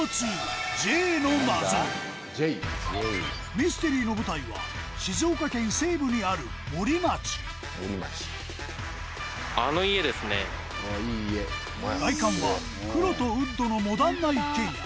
ミステリーの舞台は静岡県西部にある外観は黒とウッドのモダンな一軒家